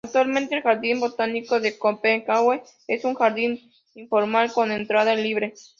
Actualmente, el jardín botánico de Copenhague es un jardín informal con entrada libre.